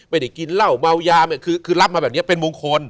กินเหล้าเมายาคือรับมาแบบนี้เป็นมงคล